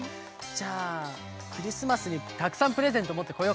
じゃあクリスマスにたくさんプレゼントもってこようかな？